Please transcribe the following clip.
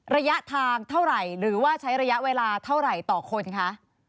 ระยะทางเท่าไหร่หรือว่าใช้ระยะเวลาเท่าไหร่ต่อคนคะ